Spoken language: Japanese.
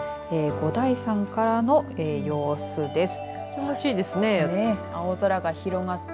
五台山からの様子です。